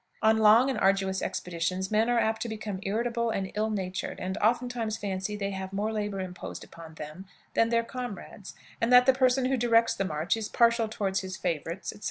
On long and arduous expeditions men are apt to become irritable and ill natured, and oftentimes fancy they have more labor imposed upon them than their comrades, and that the person who directs the march is partial toward his favorites, etc.